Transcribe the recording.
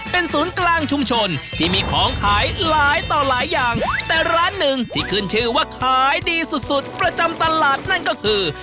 เป็นศูนย์กลางชุมชนที่มีของขายหลายต่อหลายอย่างแต่ร้านหนึ่งที่ขึ้นชื่อว่าขายดีสุดสุดประจำตลาดนั่นก็คือ